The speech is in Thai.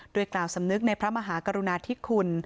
โดยกล่าวสำนึกในพระมหากรุณาธิคุณ